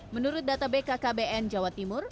menurut data bkkbn jawa timur